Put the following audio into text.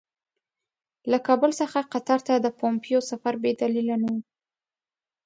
له کابل څخه قطر ته د پومپیو سفر بې دلیله نه وو.